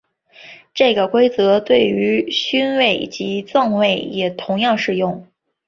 这个规则对于勋位及赠位也同样适用。